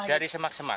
iya dari semak semak